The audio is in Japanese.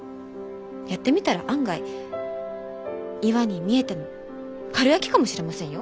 やってみたら案外岩に見えてもかるやきかもしれませんよ。